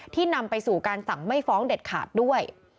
นำไปสู่การสั่งไม่ฟ้องเด็ดขาดด้วย